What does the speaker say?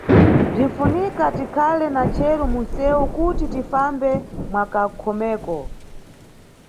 Bzinʼfunika tikhale na cero munʼsewu kuti tifambe mwanʼkhomeko.